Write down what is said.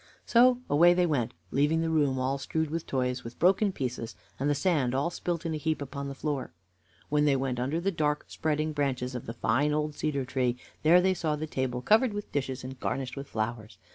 So away they went, leaving the room all strewed with toys, with broken pieces, and the sand all spilt in a heap upon the floor. When they went under the dark spreading branches of the fine old cedar tree, there they saw the table covered with dishes and garnished with flowers.